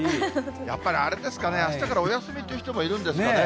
やっぱりあれですかね、あしたからお休みという人もいるんですかね。